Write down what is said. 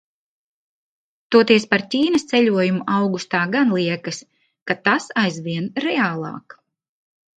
Toties par Ķīnas ceļojumu augustā gan liekas, ka tas aizvien reālāk.